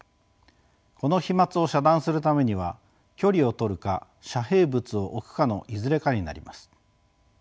この飛まつを遮断するためには距離を取るか遮蔽物を置くかのいずれかになります。